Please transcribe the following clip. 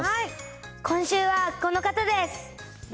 今週はこの方です。